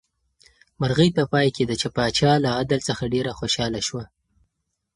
مرغۍ په پای کې د پاچا له عدل څخه ډېره خوشحاله شوه.